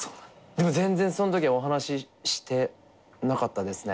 でも全然そのときはお話ししてなかったですね。